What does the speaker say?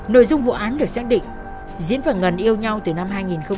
nội dung vụ án được xác định diễn và ngân yêu nhau từ năm hai nghìn một mươi